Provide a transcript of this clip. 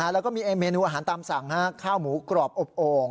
แล้วก็มีเมนูอาหารตามสั่งข้าวหมูกรอบอบโอ่ง